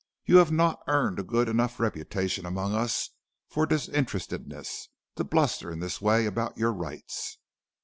You have not earned a good enough reputation among us for disinterestedness to bluster in this way about your rights.'